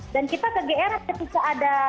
dan kita ke grs juga ada